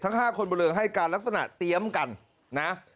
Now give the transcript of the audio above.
๕คนบนเรือให้การลักษณะเตรียมกันนะ